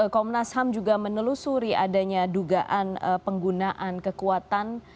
komnas ham juga menelusuri adanya dugaan penggunaan kekuatan